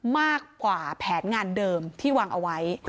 มากกว่าแผนงานเดิมที่วางเอาไว้